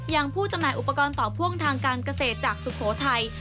ผู้จำหน่ายอุปกรณ์ต่อพ่วงทางการเกษตรจากสุโขทัย